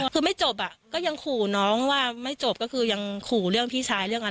คือไม่จบอ่ะก็ยังขู่น้องว่าไม่จบก็คือยังขู่เรื่องพี่ชายเรื่องอะไร